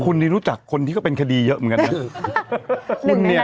คุณนี่รู้จักคนที่ก็เป็นคดีเยอะเหมือนกันนะ